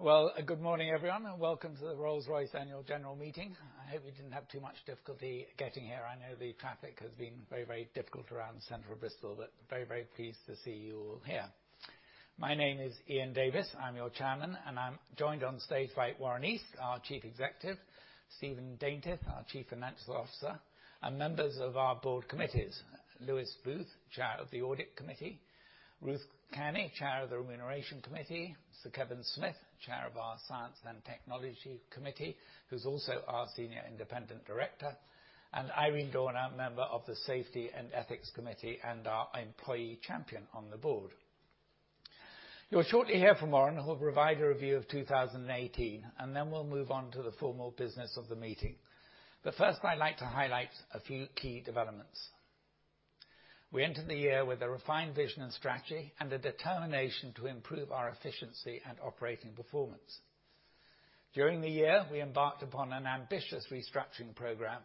Well, good morning, everyone. Welcome to the Rolls-Royce Annual General Meeting. I hope you didn't have too much difficulty getting here. I know the traffic has been very difficult around central Bristol. Very pleased to see you all here. My name is Ian Davis, I'm your Chairman, and I'm joined on stage by Warren East, our Chief Executive, Stephen Daintith, our Chief Financial Officer. Members of our board committees, Lewis Booth, Chair of the Audit Committee, Ruth Cairnie, Chair of the Remuneration Committee, Sir Kevin Smith, Chair of our Science and Technology Committee, who's also our Senior Independent Director, and Irene Dorner, a Member of the Safety and Ethics Committee, and our Employee Champion on the board. You'll shortly hear from Warren, who will provide a review of 2018, and then we'll move on to the formal business of the meeting. First, I'd like to highlight a few key developments. We entered the year with a refined vision and strategy and a determination to improve our efficiency and operating performance. During the year, we embarked upon an ambitious restructuring program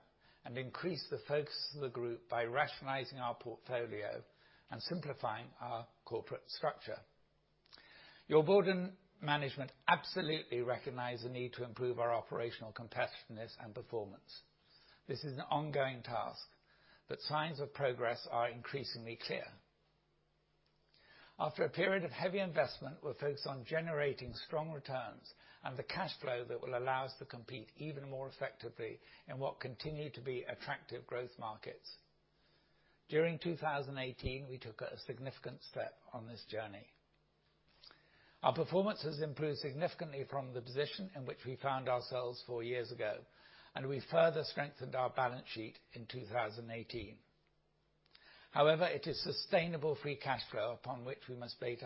and increased the focus of the group by rationalizing our portfolio and simplifying our corporate structure. Your board and management absolutely recognize the need to improve our operational competitiveness and performance. This is an ongoing task, but signs of progress are increasingly clear. After a period of heavy investment, we're focused on generating strong returns and the cash flow that will allow us to compete even more effectively in what continue to be attractive growth markets. During 2018, we took a significant step on this journey. Our performance has improved significantly from the position in which we found ourselves four years ago, and we further strengthened our balance sheet in 2018. It is sustainable, free cash flow upon which we must base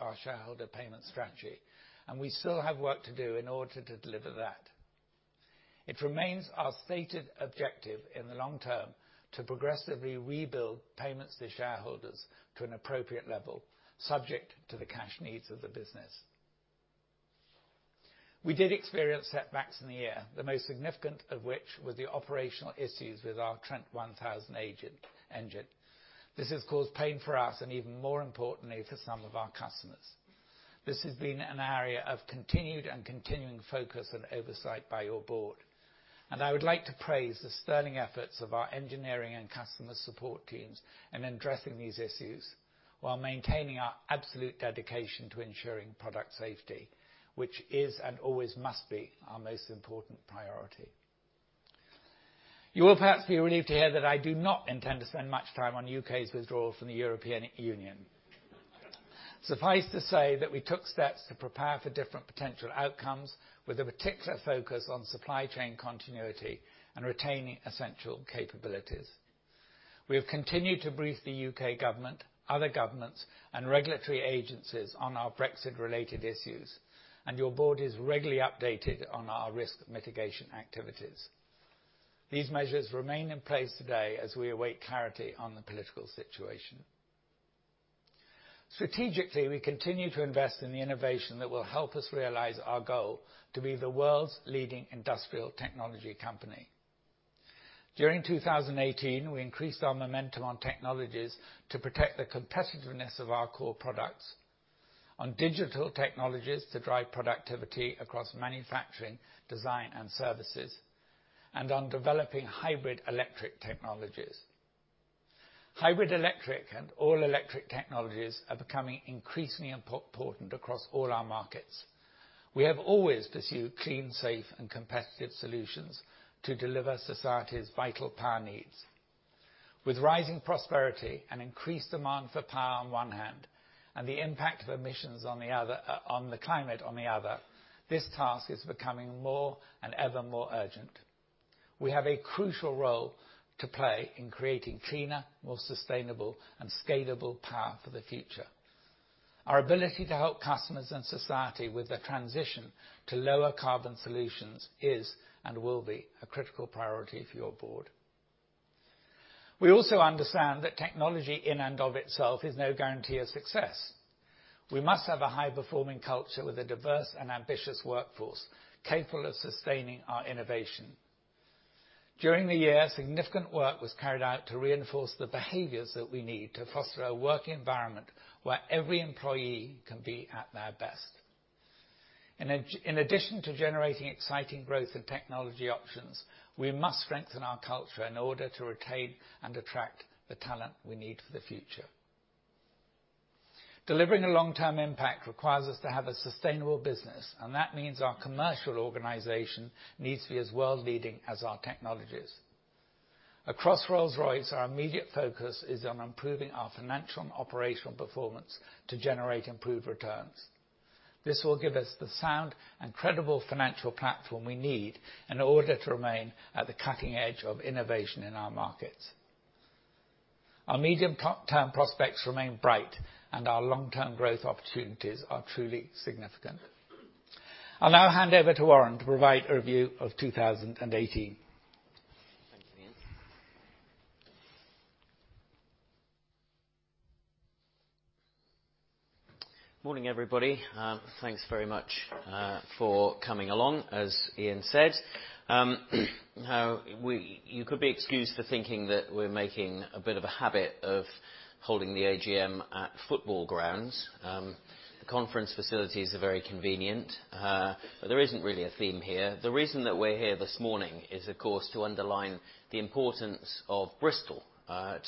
our shareholder payment strategy, and we still have work to do in order to deliver that. It remains our stated objective in the long term to progressively rebuild payments to shareholders to an appropriate level, subject to the cash needs of the business. We did experience setbacks in the year, the most significant of which was the operational issues with our Trent 1000 engine. This has caused pain for us, and even more importantly, for some of our customers. This has been an area of continued and continuing focus and oversight by your board. I would like to praise the sterling efforts of our engineering and customer support teams in addressing these issues while maintaining our absolute dedication to ensuring product safety, which is, and always must be, our most important priority. You will perhaps be relieved to hear that I do not intend to spend much time on U.K.'s withdrawal from the European Union. Suffice to say that we took steps to prepare for different potential outcomes, with a particular focus on supply chain continuity and retaining essential capabilities. We have continued to brief the U.K. government, other governments, and regulatory agencies on our Brexit-related issues, and your board is regularly updated on our risk mitigation activities. These measures remain in place today as we await clarity on the political situation. Strategically, we continue to invest in the innovation that will help us realize our goal to be the world's leading industrial technology company. During 2018, we increased our momentum on technologies to protect the competitiveness of our core products on digital technologies to drive productivity across manufacturing, design, and services, and on developing hybrid electric technologies. Hybrid electric and all-electric technologies are becoming increasingly important across all our markets. We have always pursued clean, safe, and competitive solutions to deliver society's vital power needs. With rising prosperity and increased demand for power on one hand, and the impact of emissions on the climate on the other, this task is becoming more and ever more urgent. We have a crucial role to play in creating cleaner, more sustainable, and scalable power for the future. Our ability to help customers and society with the transition to lower carbon solutions is and will be a critical priority for your board. We also understand that technology in and of itself is no guarantee of success. We must have a high-performing culture with a diverse and ambitious workforce, capable of sustaining our innovation. During the year, significant work was carried out to reinforce the behaviors that we need to foster a work environment where every employee can be at their best. In addition to generating exciting growth and technology options, we must strengthen our culture in order to retain and attract the talent we need for the future. Delivering a long-term impact requires us to have a sustainable business, and that means our commercial organization needs to be as world-leading as our technologies. Across Rolls-Royce, our immediate focus is on improving our financial and operational performance to generate improved returns. This will give us the sound and credible financial platform we need in order to remain at the cutting edge of innovation in our markets. Our medium-term prospects remain bright and our long-term growth opportunities are truly significant. I'll now hand over to Warren to provide a review of 2018. Thank you, Ian. Morning, everybody. Thanks very much for coming along, as Ian said. You could be excused for thinking that we're making a bit of a habit of holding the AGM at football grounds. The conference facilities are very convenient. There isn't really a theme here. The reason that we're here this morning is, of course, to underline the importance of Bristol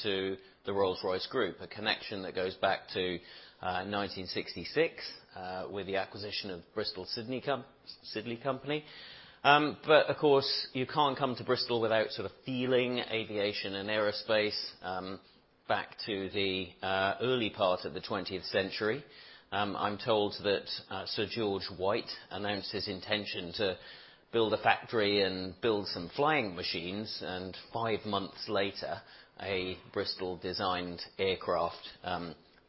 to the Rolls-Royce group. A connection that goes back to 1966, with the acquisition of Bristol Siddeley Company. Of course, you can't come to Bristol without feeling aviation and aerospace back to the early part of the 20th century. I'm told that Sir George White announced his intention to build a factory and build some flying machines, and five months later, a Bristol-designed aircraft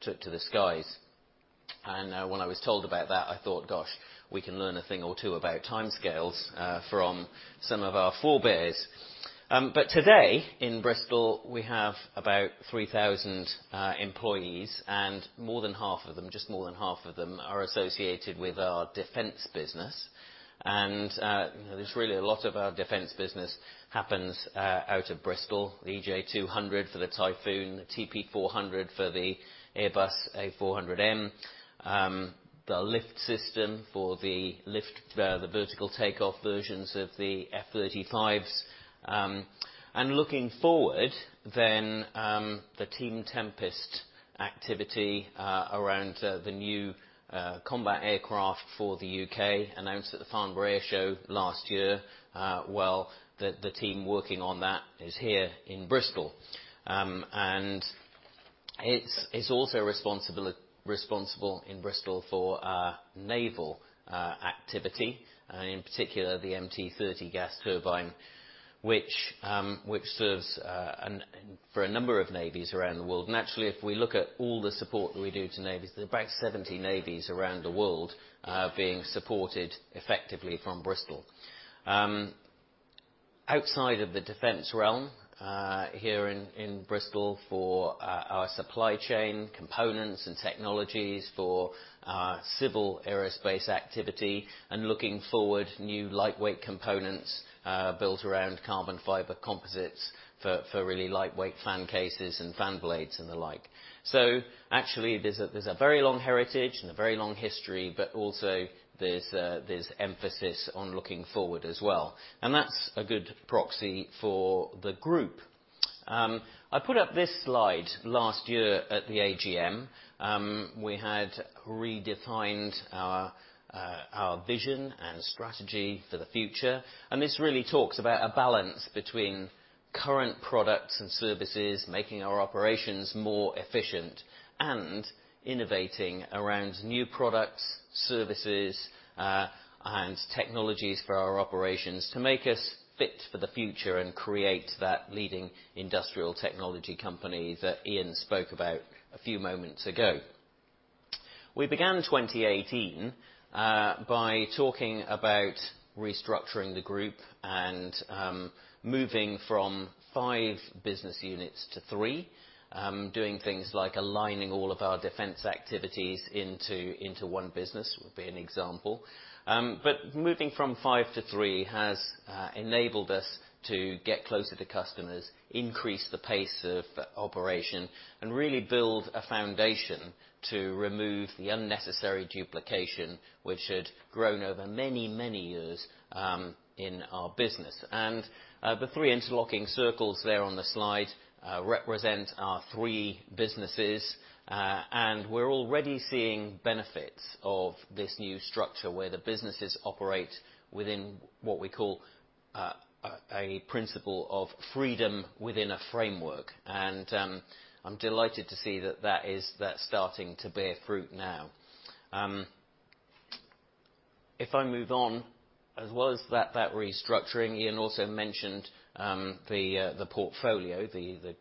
took to the skies. When I was told about that, I thought, "Gosh, we can learn a thing or two about timescales from some of our forebears." Today in Bristol, we have about 3,000 employees and more than half of them, just more than half of them, are associated with our defense business. Really, a lot of our defense business happens out of Bristol. The EJ200 for the Typhoon, the TP400 for the Airbus A400M. The LiftSystem for the vertical takeoff versions of the F-35s. Looking forward, the Team Tempest activity around the new combat aircraft for the U.K., announced at the Farnborough Airshow last year. Well, the team working on that is here in Bristol. It's also responsible in Bristol for our naval activity, in particular, the MT30 gas turbine, which serves for a number of navies around the world. Actually, if we look at all the support that we do to navies, there are about 70 navies around the world being supported effectively from Bristol. Outside of the defense realm, here in Bristol for our supply chain components and technologies for Civil Aerospace activity, and looking forward, new lightweight components built around carbon fiber composites for really lightweight fan cases and fan blades and the like. Actually, there's a very long heritage and a very long history, but also there's emphasis on looking forward as well, and that's a good proxy for the group. I put up this slide last year at the AGM. We had redefined our vision and strategy for the future, this really talks about a balance between current products and services, making our operations more efficient, and innovating around new products, services, and technologies for our operations to make us fit for the future and create that leading industrial technology company that Ian spoke about a few moments ago. We began 2018 by talking about restructuring the group and moving from five business units to three, doing things like aligning all of our defense activities into one business, would be an example. Moving from five to three has enabled us to get closer to customers, increase the pace of operation, and really build a foundation to remove the unnecessary duplication which had grown over many, many years in our business. The three interlocking circles there on the slide represent our three businesses. We're already seeing benefits of this new structure, where the businesses operate within what we call a principle of freedom within a framework. I'm delighted to see that starting to bear fruit now. If I move on, as well as that restructuring, Ian also mentioned the portfolio, the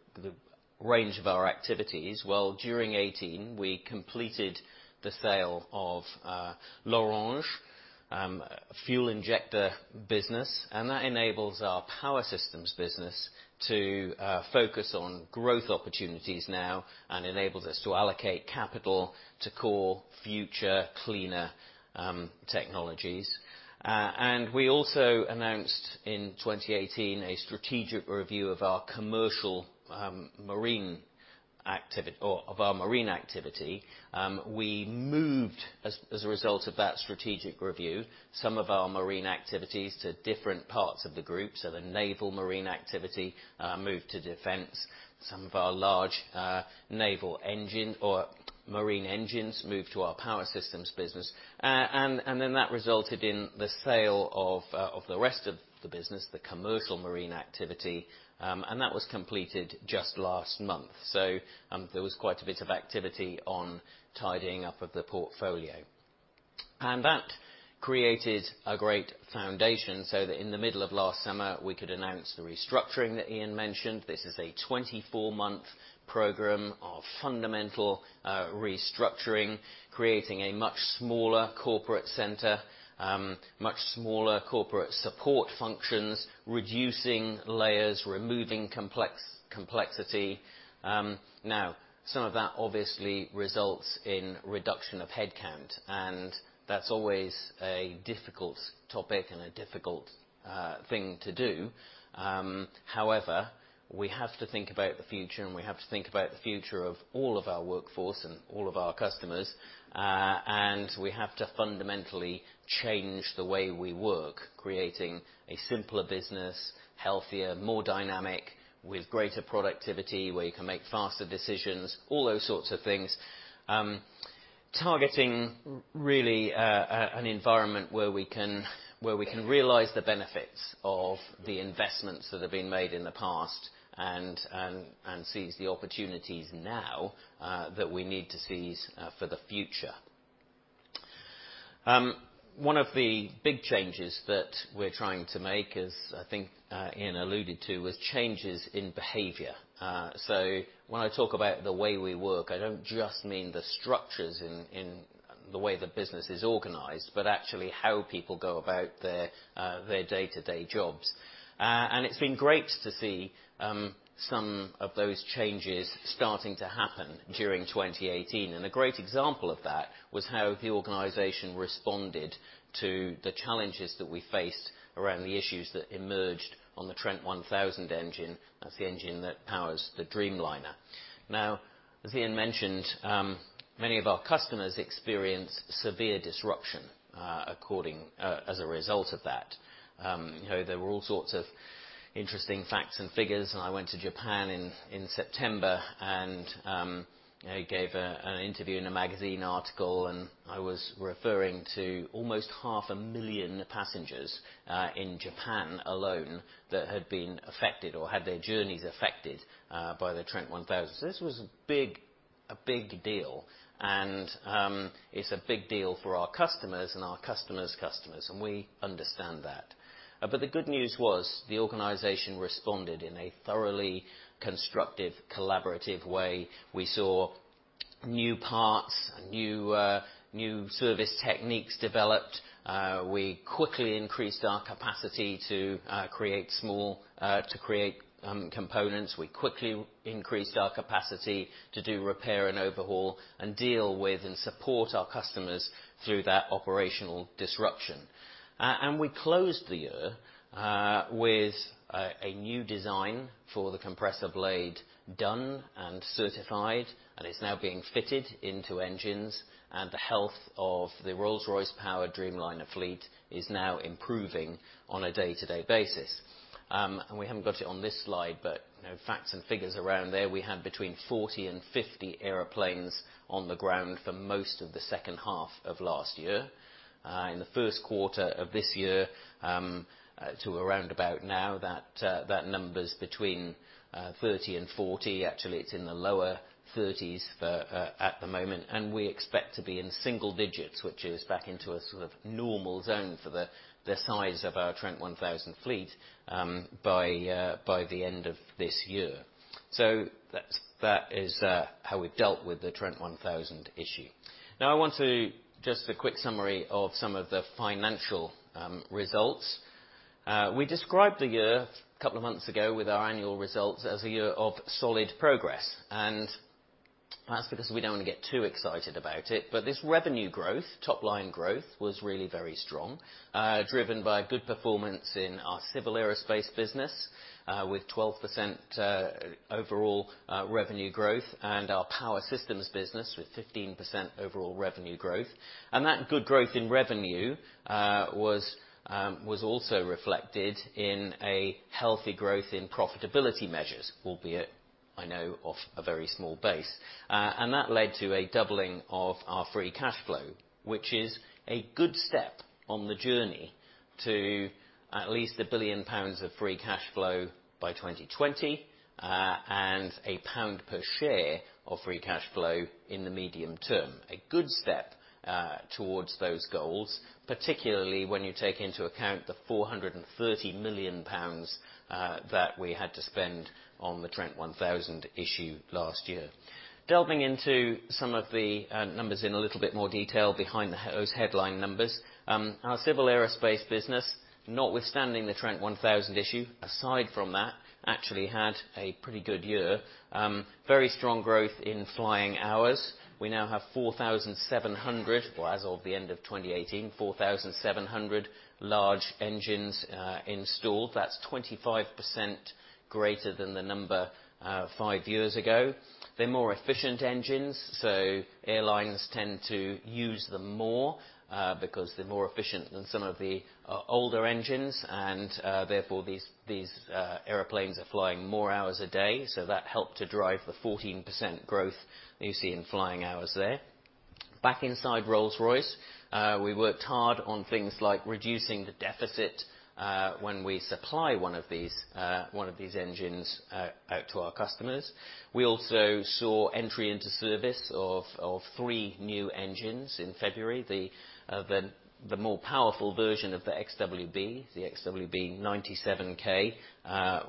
range of our activities. Well, during 2018, we completed the sale of L'Orange fuel injector business, that enables our Power Systems business to focus on growth opportunities now and enables us to allocate capital to core future cleaner technologies. We also announced in 2018 a strategic review of our commercial marine activity. We moved, as a result of that strategic review, some of our marine activities to different parts of the group. The naval marine activity moved to defense. Some of our large naval engine or marine engines moved to our Power Systems business. That resulted in the sale of the rest of the business, the commercial marine activity. That was completed just last month. There was quite a bit of activity on tidying up of the portfolio. That created a great foundation so that in the middle of last summer, we could announce the restructuring that Ian mentioned. This is a 24-month program of fundamental restructuring, creating a much smaller corporate center, much smaller corporate support functions, reducing layers, removing complexity. Some of that obviously results in reduction of headcount, and that's always a difficult topic and a difficult thing to do. However, we have to think about the future, and we have to think about the future of all of our workforce and all of our customers. We have to fundamentally change the way we work, creating a simpler business, healthier, more dynamic, with greater productivity, where you can make faster decisions, all those sorts of things. Targeting really an environment where we can realize the benefits of the investments that have been made in the past and seize the opportunities now that we need to seize for the future. One of the big changes that we're trying to make is, I think Ian alluded to, was changes in behavior. So when I talk about the way we work, I don't just mean the structures in the way the business is organized, but actually how people go about their day-to-day jobs. It's been great to see some of those changes starting to happen during 2018. A great example of that was how the organization responded to the challenges that we faced around the issues that emerged on the Trent 1000 engine. That's the engine that powers the Dreamliner. As Ian mentioned, many of our customers experienced severe disruption as a result of that. There were all sorts of interesting facts and figures, and I went to Japan in September and gave an interview in a magazine article, and I was referring to almost half a million passengers in Japan alone that had been affected or had their journeys affected by the Trent 1000. So this was a big deal, and it's a big deal for our customers and our customer's customers, and we understand that. The good news was the organization responded in a thoroughly constructive, collaborative way. We saw new parts, new service techniques developed. We quickly increased our capacity to create components. We quickly increased our capacity to do repair and overhaul and deal with and support our customers through that operational disruption. We closed the year with a new design for the compressor blade done and certified, and it's now being fitted into engines and the health of the Rolls-Royce powered Dreamliner fleet is now improving on a day-to-day basis. We haven't got it on this slide, but facts and figures around there, we had between 40 and 50 airplanes on the ground for most of the second half of last year. In the first quarter of this year, to around about now, that number's between 30 and 40. Actually, it's in the lower 30s at the moment, we expect to be in single digits, which is back into a sort of normal zone for the size of our Trent 1000 fleet by the end of this year. That is how we've dealt with the Trent 1000 issue. Just a quick summary of some of the financial results. We described the year a couple of months ago with our annual results as a year of solid progress, and that's because we don't want to get too excited about it. This revenue growth, top-line growth, was really very strong, driven by good performance in our Civil Aerospace business, with 12% overall revenue growth and our Power Systems business with 15% overall revenue growth. That good growth in revenue was also reflected in a healthy growth in profitability measures, albeit, I know, off a very small base. That led to a doubling of our free cash flow, which is a good step on the journey to at least 1 billion pounds of free cash flow by 2020 and a GBP per share of free cash flow in the medium term. A good step towards those goals, particularly when you take into account the 430 million pounds that we had to spend on the Trent 1000 issue last year. Delving into some of the numbers in a little bit more detail behind those headline numbers. Our Civil Aerospace business, notwithstanding the Trent 1000 issue, aside from that, actually had a pretty good year. Very strong growth in flying hours. We now have 4,700, well, as of the end of 2018, 4,700 large engines installed. That's 25% greater than the number five years ago. They're more efficient engines, so airlines tend to use them more, because they're more efficient than some of the older engines, and therefore, these airplanes are flying more hours a day. That helped to drive the 14% growth that you see in flying hours there. Back inside Rolls-Royce, we worked hard on things like reducing the deficit when we supply one of these engines out to our customers. We also saw entry into service of three new engines in February. The more powerful version of the XWB, the XWB-97K,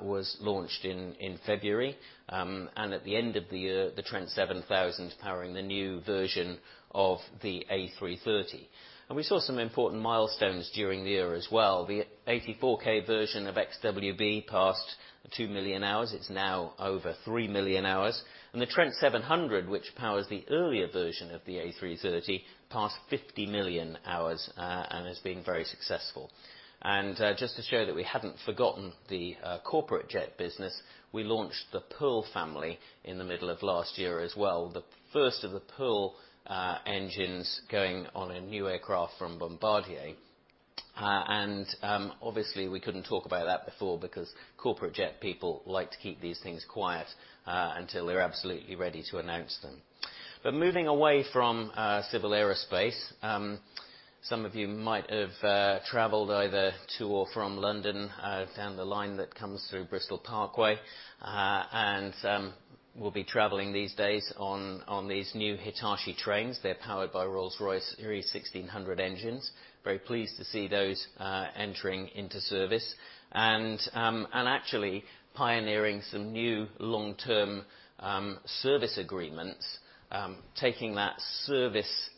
was launched in February. At the end of the year, the Trent 7000 powering the new version of the A330. We saw some important milestones during the year as well. The 84K version of XWB passed 2 million hours. It's now over 3 million hours. The Trent 700, which powers the earlier version of the A330, passed 50 million hours and is being very successful. Just to show that we haven't forgotten the corporate jet business, we launched the Pearl family in the middle of last year as well, the first of the Pearl engines going on a new aircraft from Bombardier. Obviously, we couldn't talk about that before because corporate jet people like to keep these things quiet until they're absolutely ready to announce them. Moving away from Civil Aerospace, some of you might have traveled either to or from London down the line that comes through Bristol Parkway and will be traveling these days on these new Hitachi trains. They're powered by Rolls-Royce mtu Series 1600 engines. Very pleased to see those entering into service and actually pioneering some new Long-Term Service Agreements, taking that service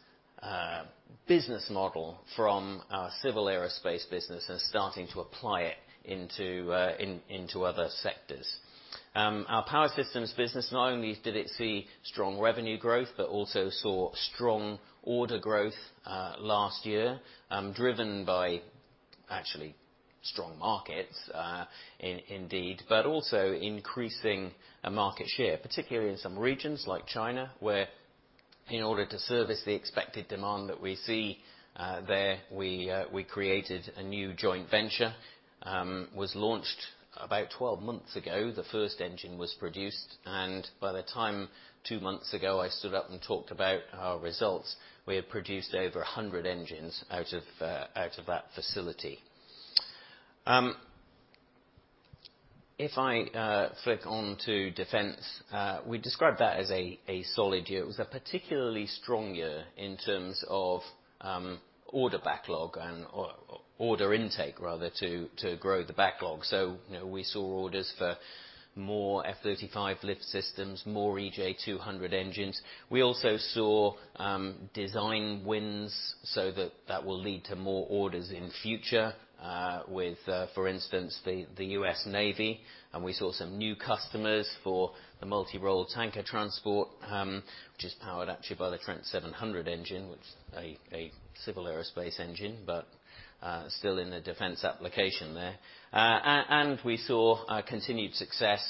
business model from our Civil Aerospace business and starting to apply it into other sectors. Our Power Systems business not only did it see strong revenue growth, but also saw strong order growth last year, driven by actually strong markets, indeed, but also increasing market share, particularly in some regions like China, where in order to service the expected demand that we see there, we created a new joint venture. Was launched about 12 months ago. The first engine was produced, and by the time two months ago, I stood up and talked about our results, we had produced over 100 engines out of that facility. If I flick on to Defense, we describe that as a solid year. It was a particularly strong year in terms of order backlog and order intake, rather, to grow the backlog. We saw orders for more F-35 LiftSystems, more EJ200 engines. We also saw design wins, that will lead to more orders in future with, for instance, the U.S. Navy. We saw some new customers for the multi-role tanker transport, which is powered actually by the Trent 700 engine, which a Civil Aerospace engine, but still in the defense application there. We saw a continued success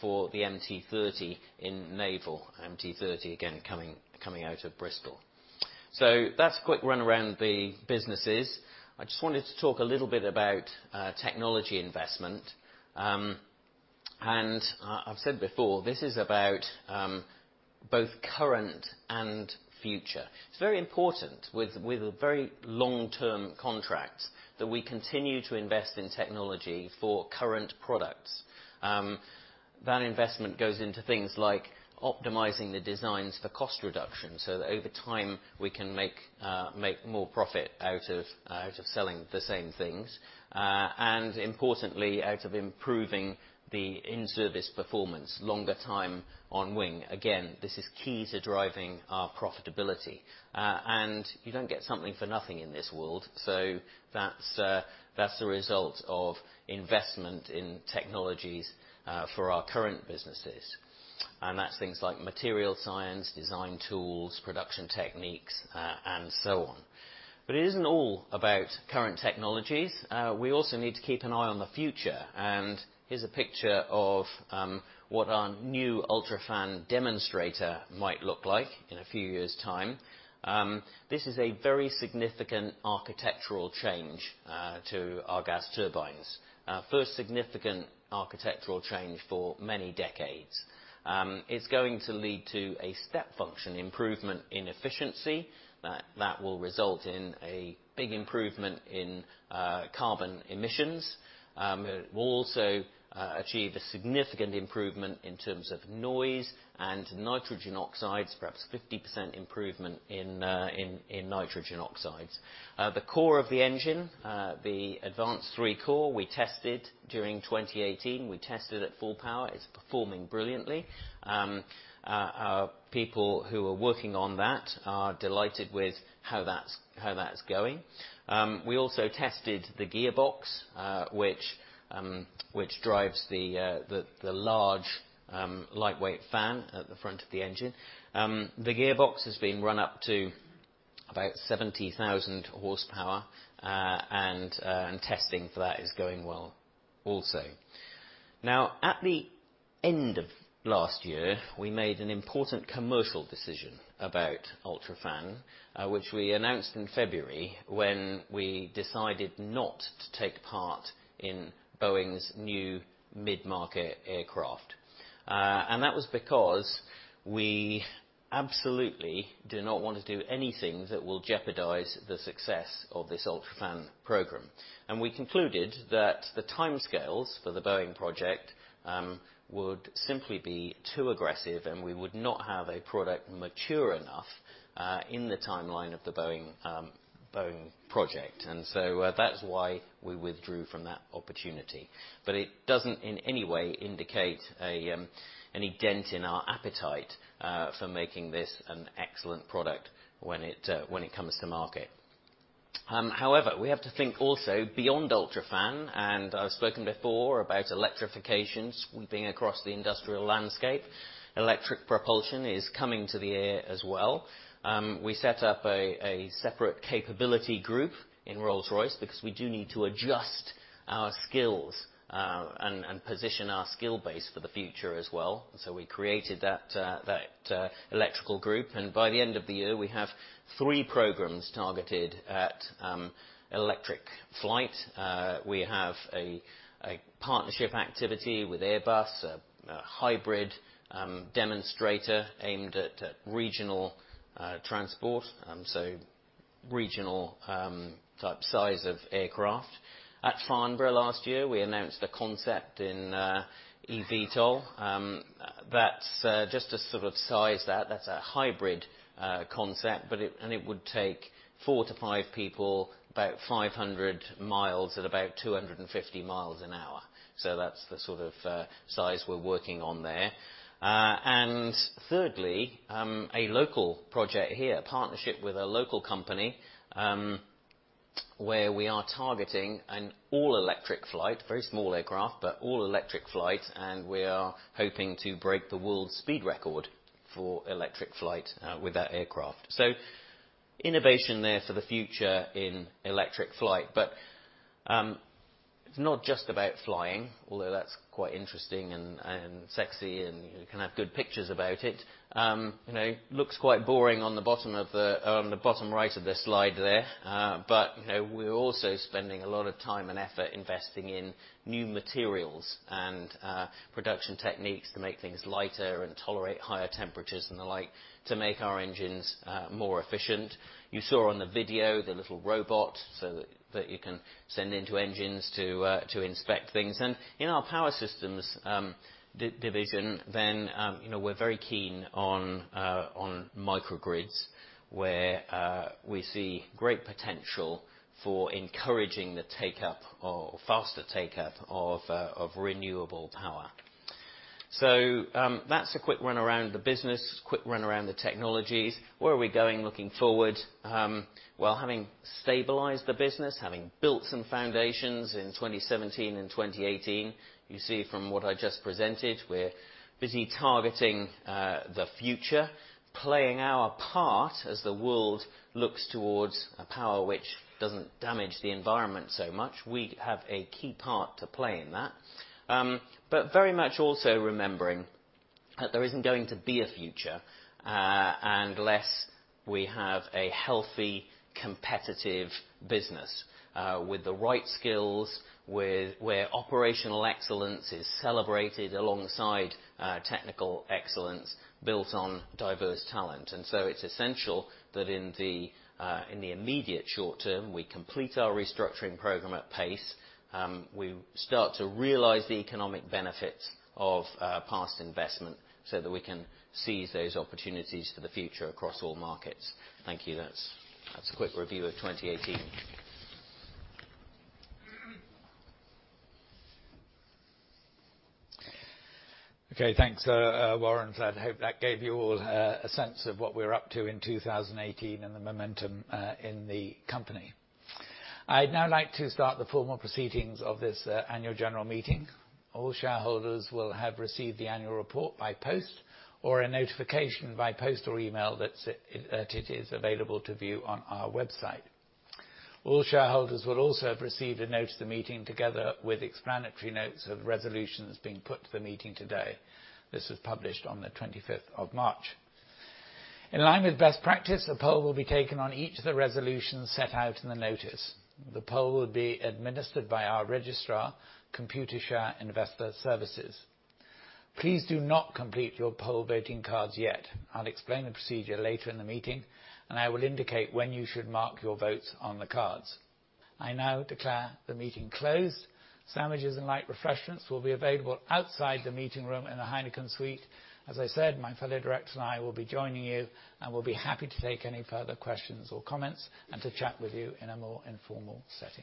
for the MT30 in naval. MT30, again, coming out of Bristol. That's a quick run around the businesses. I just wanted to talk a little bit about technology investment. I've said before, this is about both current and future. It's very important with a very long-term contract that we continue to invest in technology for current products. That investment goes into things like optimizing the designs for cost reduction, so that over time we can make more profit out of selling the same things. Importantly, out of improving the in-service performance, longer time on wing. This is key to driving our profitability. You don't get something for nothing in this world. That's the result of investment in technologies for our current businesses. That's things like material science, design tools, production techniques, and so on. It isn't all about current technologies. We also need to keep an eye on the future. Here's a picture of what our new UltraFan demonstrator might look like in a few years' time. This is a very significant architectural change to our gas turbines. First significant architectural change for many decades. It's going to lead to a step function improvement in efficiency that will result in a big improvement in carbon emissions. It will also achieve a significant improvement in terms of noise and nitrogen oxides, perhaps 50% improvement in nitrogen oxides. The core of the engine, the Advance3 core we tested during 2018. We tested at full power. It's performing brilliantly. Our people who are working on that are delighted with how that's going. We also tested the gearbox, which drives the large lightweight fan at the front of the engine. The gearbox has been run up to about 70,000 horsepower, and testing for that is going well also. At the end of last year, we made an important commercial decision about UltraFan, which we announced in February when we decided not to take part in Boeing's new mid-market aircraft. That was because we absolutely do not want to do anything that will jeopardize the success of this UltraFan program. We concluded that the timescales for the Boeing project would simply be too aggressive, and we would not have a product mature enough in the timeline of the Boeing project. That's why we withdrew from that opportunity. It doesn't in any way indicate any dent in our appetite for making this an excellent product when it comes to market. However, we have to think also beyond UltraFan, and I've spoken before about electrifications sweeping across the industrial landscape. Electric propulsion is coming to the air as well. We set up a separate capability group in Rolls-Royce because we do need to adjust our skills and position our skill base for the future as well. We created that electrical group, and by the end of the year, we have three programs targeted at electric flight. We have a partnership activity with Airbus, a hybrid demonstrator aimed at regional transport, so regional type size of aircraft. At Farnborough last year, we announced the concept in eVTOL. That's just to sort of size that's a hybrid concept, and it would take four to five people about 500 miles at about 250 miles an hour. That's the sort of size we're working on there. Thirdly, a local project here, a partnership with a local company, where we are targeting an all-electric flight, very small aircraft, but all-electric flight, and we are hoping to break the world speed record for electric flight with that aircraft. Innovation there for the future in electric flight. It's not just about flying, although that's quite interesting and sexy, and you can have good pictures about it. Looks quite boring on the bottom right of the slide there. We're also spending a lot of time and effort investing in new materials and production techniques to make things lighter and tolerate higher temperatures and the like to make our engines more efficient. You saw on the video the little robot so that you can send into engines to inspect things. In our Power Systems division, then we're very keen on microgrids where we see great potential for encouraging the faster take-up of renewable power. That's a quick run around the business, quick run around the technologies. Where are we going looking forward? Having stabilized the business, having built some foundations in 2017 and 2018. You see from what I just presented, we're busy targeting the future, playing our part as the world looks towards a power which doesn't damage the environment so much. We have a key part to play in that. Very much also remembering that there isn't going to be a future, unless we have a healthy, competitive business, with the right skills, where operational excellence is celebrated alongside technical excellence built on diverse talent. It's essential that in the immediate short term, we complete our restructuring program at pace. We start to realize the economic benefits of past investment so that we can seize those opportunities for the future across all markets. Thank you. That's a quick review of 2018. Okay, thanks, Warren. I hope that gave you all a sense of what we're up to in 2018 and the momentum in the company. I'd now like to start the formal proceedings of this annual general meeting. All shareholders will have received the annual report by post or a notification by post or email that it is available to view on our website. All shareholders will also have received a note of the meeting together with explanatory notes of resolutions being put to the meeting today. This was published on the 25th of March. In line with best practice, a poll will be taken on each of the resolutions set out in the notice. The poll will be administered by our registrar, Computershare Investor Services. Please do not complete your poll voting cards yet. I'll explain the procedure later in the meeting. I will indicate when you should mark your votes on the cards. I now declare the meeting closed. Sandwiches and light refreshments will be available outside the meeting room in the Heineken Suite. As I said, my fellow directors and I will be joining you. We'll be happy to take any further questions or comments and to chat with you in a more informal setting.